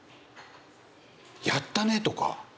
やったね！とか。